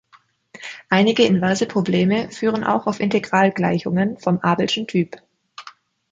Einige inverse Probleme führen auch auf Integralgleichungen vom Abelschen Typ.